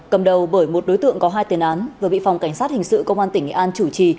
cầm đầu bởi một đối tượng có hai tiền án vừa bị phòng cảnh sát hình sự công an tỉnh nghệ an chủ trì